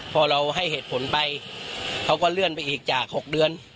พอเราให้เหตุผลไปเขาก็เลื่อนไปอีกจาก๖เดือน